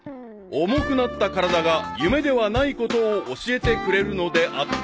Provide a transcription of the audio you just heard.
［重くなった体が夢ではないことを教えてくれるのであった］